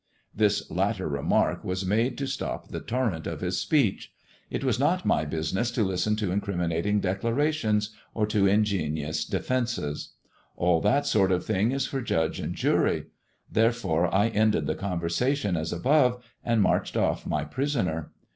This latter remark was made to stop the torr^at of his speech. It was not my business to listen to incrimmating declarations, or to ingenious defences. All that wtt d thing is for judge and jury ; therefore I ended the oonw sation as above, and marched off my prisoner.